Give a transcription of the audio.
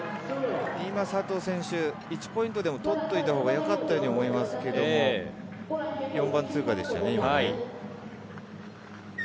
佐藤選手、１ポイントでも取っておいたほうがよかったと思いますが、４番通過でしたね。